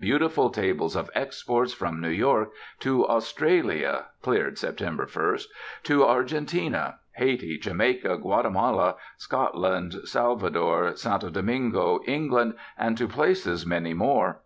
Beautiful tables of "exports from New York." "To Australia" (cleared Sep. 1); "to Argentina"; Haiti, Jamaica, Guatemala, Scotland, Salvador, Santo Domingo, England, and to places many more.